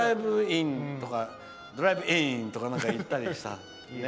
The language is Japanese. ドライブインとか行ったりして。